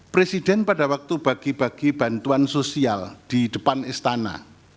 presiden pada waktu bagi bagi bantuan sosial di depan istana